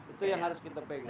itu yang harus kita pegang